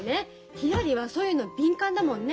ひらりはそういうの敏感だもんね。